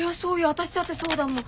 私だってそうだもん。